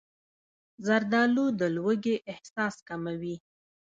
زردالو د لوږې احساس کموي.